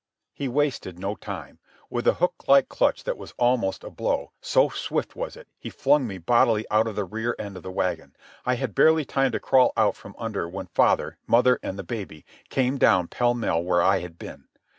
He wasted no time. With a hook like clutch that was almost a blow, so swift was it, he flung me bodily out of the rear end of the wagon. I had barely time to crawl out from under when father, mother, and the baby came down pell mell where I had been.